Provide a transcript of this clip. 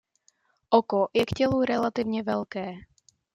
Oko je k tělu relativně velké.